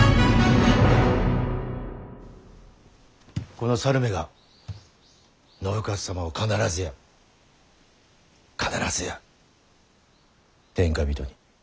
この猿めが信雄様を必ずや必ずや天下人に。